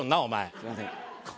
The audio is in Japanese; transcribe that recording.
すみません。